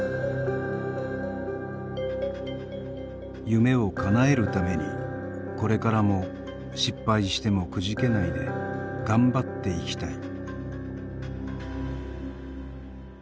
「夢をかなえるためにこれからも失敗してもくじけないでがんばって行きたい」。